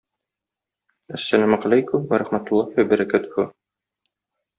Әссәламегаләйкүм вә рахмәтуллаһи вә бәрәкәтүһү!